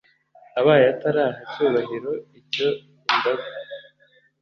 abaye ataraha cyubahiro icyo indagu